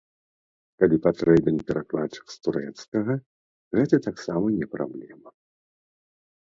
Калі патрэбен перакладчык з турэцкага, гэта таксама не праблема.